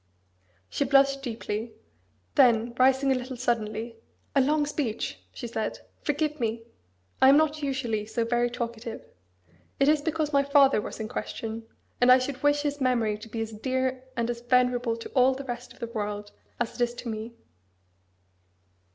She blushed deeply: then rising a little suddenly, "A long speech!" she said: "Forgive me! I am not usually so very talkative. It is because my father was in question; and I should wish his memory to be as dear and as venerable to all the rest of the world as it is to me."